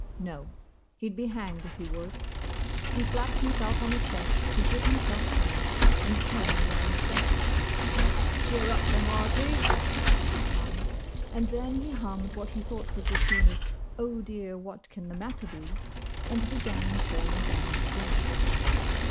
No! He'd be hanged if he would. He slapped himself on the chest to give himself courage, and came down the steps. "Cheer up, my hearty!" he cried; and then he hummed what he thought was the tune of "Oh! dear! what can the matter be?" and began hauling down the flag.